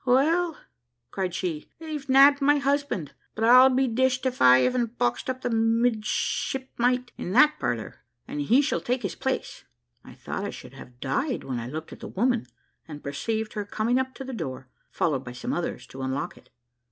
"Well," cried she, "they've nabbed my husband; but I'll be dished if I hav'n't boxed up the midship mite in that parlour, and he shall take his place." I thought I should have died when I looked at the woman, and perceived her coming up to the door, followed by some others, to unlock it.